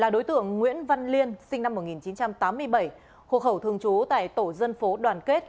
đối tượng nguyễn văn liên sinh năm một nghìn chín trăm tám mươi bảy hộ khẩu thường trú tại tổ dân phố đoàn kết